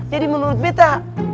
jadi menurut betta